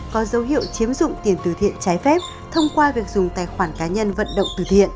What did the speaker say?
có dấu hiệu chiếm dụng tiền từ thiện trái phép thông qua việc dùng tài khoản cá nhân vận động từ thiện